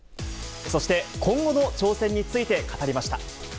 そして、今後の挑戦について語りました。